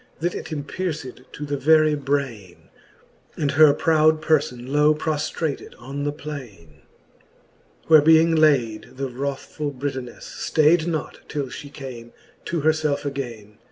That it empierced to the very braine, And her proud perlbn low proftrated on the plaine. XXXIV. where being layd, the wrathfuU Britonefle Stayd not, till Ihe came to herfelfe againe.